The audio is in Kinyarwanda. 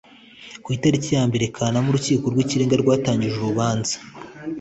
ku itariki ya mbere kanama urukiko rw ikirenga rwatangije urubanza